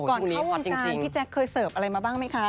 ก่อนเข้าวงการพี่แจ๊คเคยเสิร์ฟอะไรมาบ้างไหมคะ